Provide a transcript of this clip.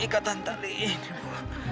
ikatan tali ini bu